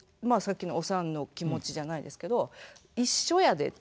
まあさっきのおさんの気持ちじゃないですけど「一緒やで」